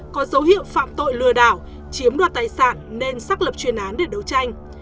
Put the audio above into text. có dấu hiệu phạm tội lừa đảo chiếm đoạt tài sản nên xác lập chuyên án để đấu tranh